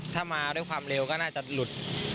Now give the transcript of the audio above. ถ้ามาด้วยความเร็วก็น่าจะหลุด